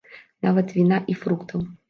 Нават віна і фруктаў.